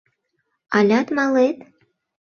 — Алят малет?